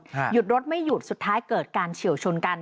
หยุดรถไม่หยุดสุดท้ายเกิดการเฉียวชนกัน